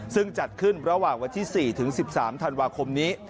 ซึ่งจัดขึ้นระหว่างวันที่๔ถึง๑๓ธันวาคมนี้